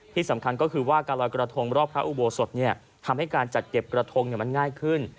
ที่สำคัญก็คือว่าการลอยกระทงรอบพระอุโบสถทำให้การจัดเก็บกระทงมันง่ายขึ้น